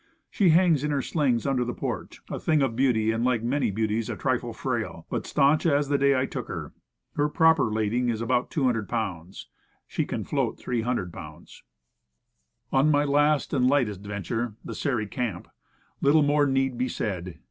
She hangs in her slings under the porch, a thing of beauty and, like many beauties, a trifle frail but staunch as the day I took her. Her proper lading is about 200 pounds. She can float 300 pounds. Of my last and lightest venture, the Sairy Gamp, little more need be said.